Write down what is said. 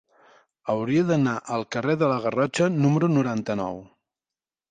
Hauria d'anar al carrer de la Garrotxa número noranta-nou.